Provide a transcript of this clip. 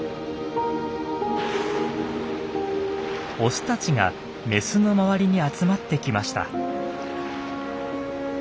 オスたちがメスの周りに集まってきました。